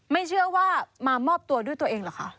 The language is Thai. ไม่เชื่อว่ามามอบตัวด้วยตัวเองเหรอคะ